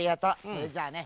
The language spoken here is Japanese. それじゃあね